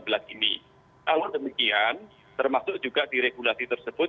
kalau demikian termasuk juga di regulasi tersebut